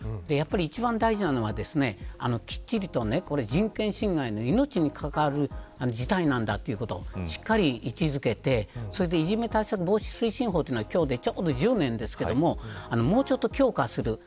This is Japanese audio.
やはり一番大事なのはきっちりと人権侵害の命に関わる事態なんだということをしっかり位置付けていじめ対策防止推進法というのは今日で１０年ですがもうちょっと強化する。